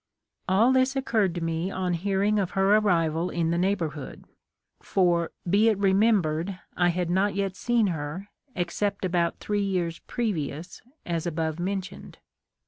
All this occurred to me on hearing of her arrival in the neighborhood ; for, be it remembered, I had not yet seen her, except about three years previous, as above mentioned.